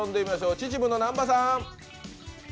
秩父の南波さん。